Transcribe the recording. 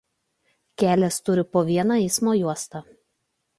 Kelias turi po vieną eismo juostą.